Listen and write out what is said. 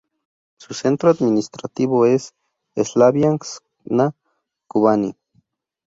Su centro administrativo es Slaviansk-na-Kubani.